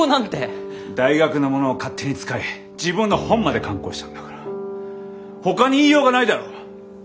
大学のものを勝手に使い自分の本まで刊行したんだからほかに言いようがないだろう？